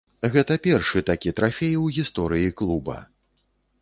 Гэта першы такі трафей у гісторыі клуба.